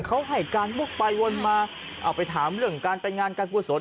เขาให้การวกไปวนมาเอาไปถามเรื่องการไปงานการกุศล